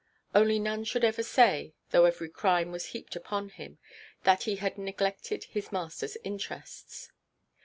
Only none should ever say, though every crime was heaped upon him, that he had neglected his masterʼs interests.